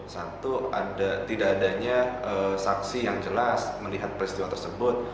satu tidak adanya saksi yang jelas melihat peristiwa tersebut